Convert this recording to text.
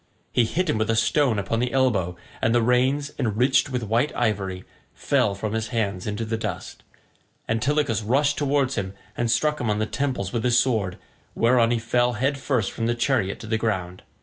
He hit him with a stone upon the elbow, and the reins, enriched with white ivory, fell from his hands into the dust. Antilochus rushed towards him and struck him on the temples with his sword, whereon he fell head first from the chariot to the ground.